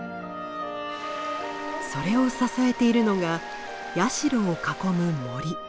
それを支えているのが社を囲む森。